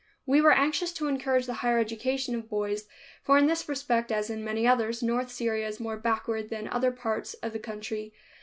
We were anxious to encourage the higher education of boys, for in this respect as in many others, north Syria is more backward than other parts of the country.